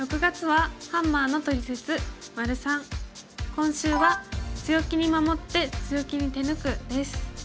今週は「強気に守って強気に手抜く」です。